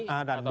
a dan b